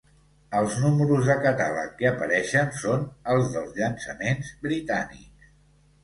Els números de catàleg que apareixen són els dels llançaments britànics.